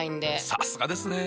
さすがですね。